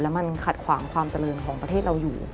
มันขัดขวางความเจริญของประเทศเราอยู่